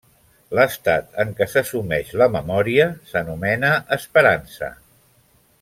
L'estat en què se sumeix la memòria s'anomena esperança.